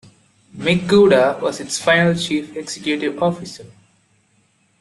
Mick Gooda was its final Chief Executive Officer.